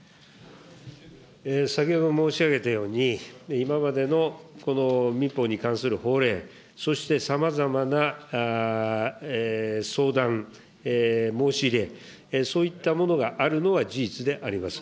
先ほど申し上げたように、今までの民法に関する法令、そしてさまざまな相談、申し入れ、そういったものがあるのは事実であります。